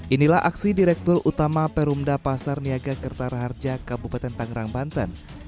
inilah aksi direktur utama perumda pasar niaga kertara harja kabupaten tangerang banten